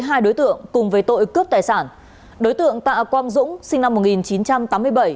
hai đối tượng cùng với tội cướp tài sản đối tượng tạ quang dũng sinh năm một nghìn chín trăm tám mươi bảy